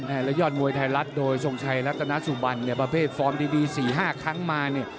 แล้วยอดมวยไทยรัฐโดยส่งไทยรัฐนาสุบันประเภทฟอร์มดี๔๕ครั้งมา